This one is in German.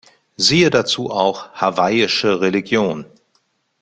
Siehe dazu auch Hawaiische Religion.